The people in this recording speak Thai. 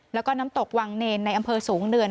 แล้วก็น้ำตกวังเนรในอำเภอสูงเนิน